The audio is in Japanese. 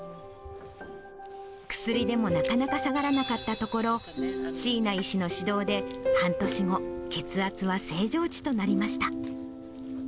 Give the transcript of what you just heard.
薬でもなかなか下がらなかったところ、椎名医師の指導で、半年後、血圧は正常値となりました。